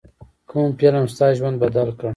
کوم فلم ستا ژوند بدل کړ.